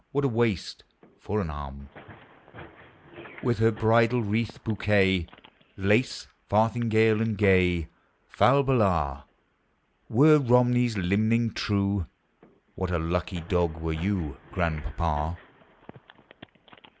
... what a waist For an arm ! With her bridal wreath, bouquet, Lace farthingale, and gay Fa I bala. Were Komnev's limning true, What a lucky dog were you, Grandpapa